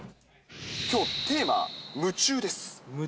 きょう、テーマ、夢中です。